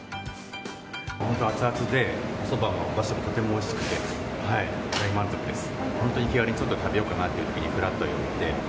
熱々でそばもだしもとてもおいしくて、大満足です。